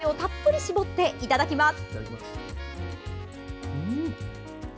すだちをたっぷり搾っていただきます。